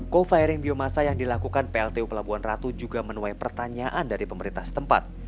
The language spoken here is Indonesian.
co firing biomasa yang dilakukan pltu pelabuhan ratu juga menuai pertanyaan dari pemerintah setempat